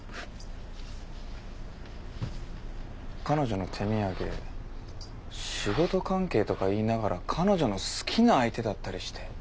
彼女の手土産仕事関係とか言いながら彼女の好きな相手だったりして。